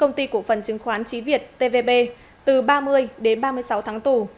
hội đồng công ty cổ phần chứng khoán trí việt từ ba mươi đến ba mươi sáu tháng tù